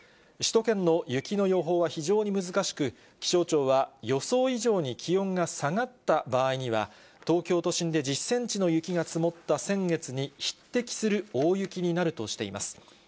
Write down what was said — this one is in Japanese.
首都圏の雪の予報は非常に難しく、気象庁は、予想以上に気温が下がった場合には、東京都心で１０センチの雪が積もった先月に匹敵する大雪になるとしています。